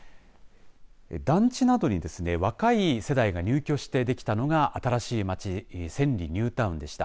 団地などにですね若い世代が入居してできたのが新しい街千里ニュータウンでした。